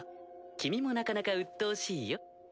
君もなかなかうっとうしいよ。